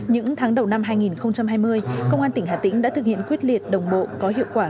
những tháng đầu năm hai nghìn hai mươi công an tỉnh hà tĩnh đã thực hiện quyết liệt đồng bộ có hiệu quả